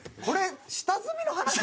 これ下積みの話？